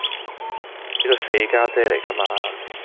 呢個四家姐嚟㗎嘛